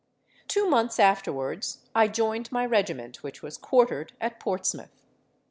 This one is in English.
"Two months afterwards I joined my regiment, which was quartered at Portsmouth.